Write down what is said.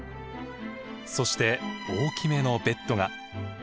そして大きめのベッドが。